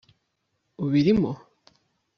ubirimo